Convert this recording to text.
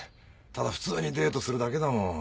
ただ普通にデートするだけだもん。